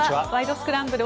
スクランブル」